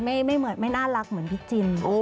ไม่เหมือนไม่น่ารักเหมือนพี่จิน